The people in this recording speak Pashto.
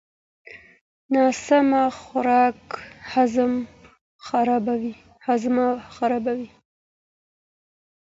ناسم خواړه هضم خرابوي.